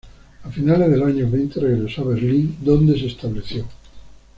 A finales de los años veinte, regresó a Berlín, donde se estableció.